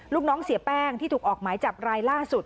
ลูกน้องเสียแป้งที่ถูกออกหมายจับรายล่าสุด